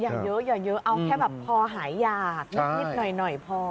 อย่าเยอะอย่าเยอะเอาแค่แบบพอหายอยากนิดหน่อยพอ